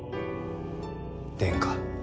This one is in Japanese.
殿下。